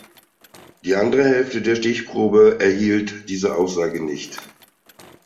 Die andere Hälfte der Stichprobe erhielt diese Aussage nicht.